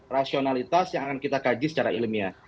rasionalitas yang akan kita kaji secara ilmiah